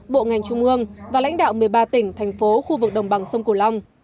bộ ngành trung ương và lãnh đạo một mươi ba tỉnh thành phố khu vực đồng bằng sông cửu long